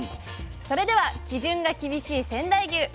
それでは基準が厳しい仙台牛